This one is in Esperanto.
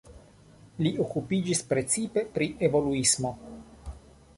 Li okupiĝis precipe pri evoluismo.